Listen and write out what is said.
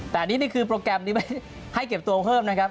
แต่นี่คือโปรแกรมนี้ให้เก็บตัวเพิ่มนะครับ